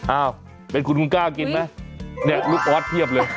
อ้าวเป็นคุณคุณกล้ากินไหมเนี่ยลูกออสเพียบเลย